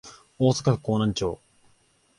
大阪府河南町